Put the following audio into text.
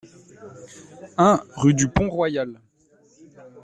un rue du Pont Royal